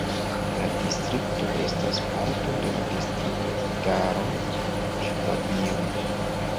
La distrikto estas parto de la distriktaro Ŝvabio.